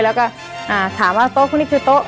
แล้วก็ถามว่าโต๊ะพวกนี้คือโต๊ะ